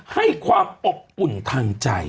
ให้ความอบอุ่นทางใจ